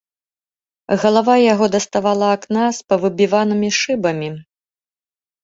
Галава яго даставала акна з павыбіванымі шыбамі.